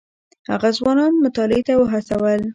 هغه ځوانان مطالعې ته وهڅول.